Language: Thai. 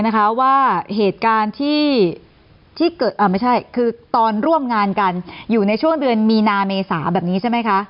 คือตอนร่วมงานกันอยู่ในช่วงเดือนมีนาเมษาแบบนี้ใช่ไหมคะ